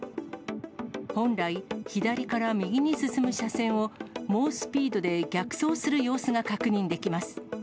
本来、左から右に進む車線を、猛スピードで逆走する様子が確認できます。